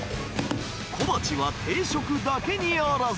小鉢は定食だけにあらず。